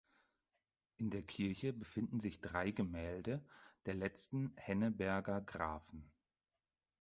In der Kirche befinden sich drei Gemälde der letzten Henneberger Grafen.